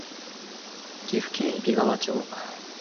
岐阜県揖斐川町